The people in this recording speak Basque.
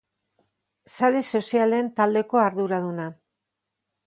Sare sozialen taldeko arduraduna.